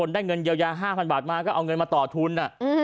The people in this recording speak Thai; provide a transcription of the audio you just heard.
ได้เงินเยียวยา๕๐๐บาทมาก็เอาเงินมาต่อทุน